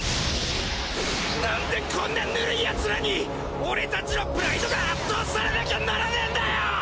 なんでこんなぬるいヤツらに俺たちのプライドが圧倒されなきゃならねえんだよ！！